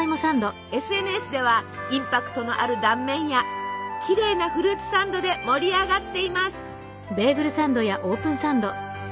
ＳＮＳではインパクトのある断面やきれいなフルーツサンドで盛り上がっています。